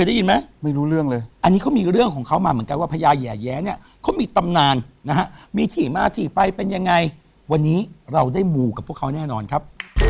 ได้ยินมามันก็ว่าพยายแยะแยะข้มิตำนานมิถีมาถึงไปเป็นยังไงวันนี้เราได้หมู่กับข้าแน่นอนครับ